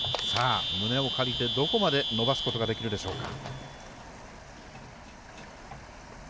胸を借りてどこまで伸ばすことができるでしょうか。